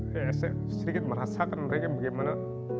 saya sedikit merasakan mereka bagaimana